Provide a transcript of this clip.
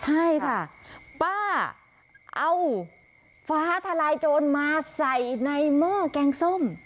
ใช่ค่ะป้าเอาฟ้าทลายโจรมาใส่ในหม้อแกงส้ม